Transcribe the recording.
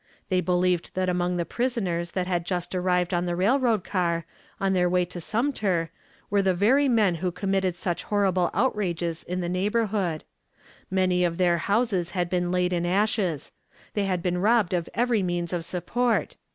They believed that among the prisoners that had just arrived on the railroad car, on their way to Sumter, were the very men who committed such horrible outrages in the neighborhood. Many of their houses had been laid in ashes. They had been robbed of every means of support.